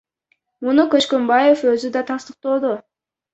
Муну Көчкөнбаев өзү да тастыктоодо.